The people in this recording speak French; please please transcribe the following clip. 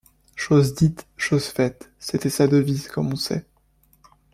Chose dite, chose faite: c’était sa devise, comme on sait.